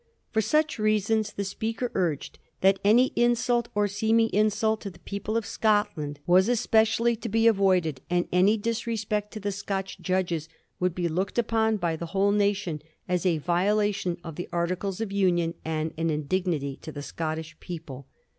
For such reasons the speaker urged that any insult, or seeming insult, to the people of Scotland was especially to be avoided, and any disrespect to the Scotch judges would be looked upon by the whole nation as a violation of the Articles of Union and an indignity to the Scottish people.